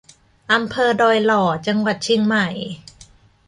อำเภอดอยหล่อ จังหวัดเชียงใหม่